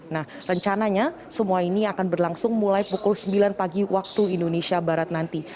nah rencananya semua ini akan berlangsung mulai pukul sembilan pagi waktu indonesia barat nanti